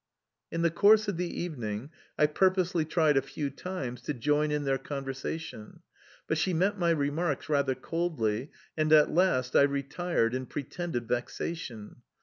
In the course of the evening, I purposely tried a few times to join in their conversation, but she met my remarks rather coldly, and, at last, I retired in pretended vexation.